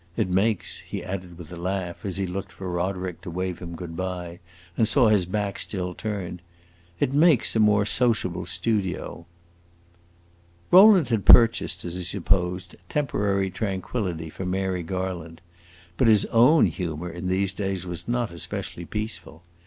It makes," he added with a laugh, as he looked for Roderick to wave him good by, and saw his back still turned, "it makes a more sociable studio." Rowland had purchased, as he supposed, temporary tranquillity for Mary Garland; but his own humor in these days was not especially peaceful.